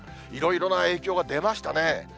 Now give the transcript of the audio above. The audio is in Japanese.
いろいろな影響が出ましたね。